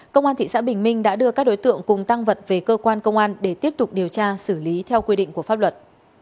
công an thị xã bình minh đã đưa các đối tượng cùng tăng vật về cơ quan công an để tiếp tục điều tra xử lý theo quy định của pháp luật